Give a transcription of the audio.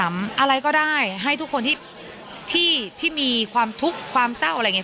อะไรก็ได้ให้ทุกคนที่มีความทุกข์ความเศร้าอะไรอย่างนี้